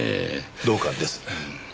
同感です。